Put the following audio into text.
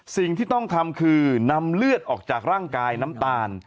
สิ่งที่ต้องทำคือนำเลือดออกจากร่างกายน้ำตาล